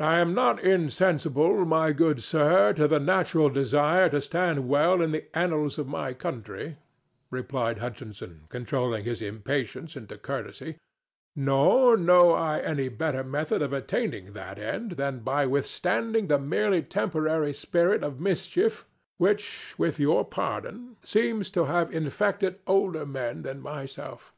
"I am not insensible, my good sir, to the natural desire to stand well in the annals of my country," replied Hutchinson, controlling his impatience into courtesy, "nor know I any better method of attaining that end than by withstanding the merely temporary spirit of mischief which, with your pardon, seems to have infected older men than myself.